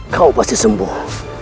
kau pasti sembuh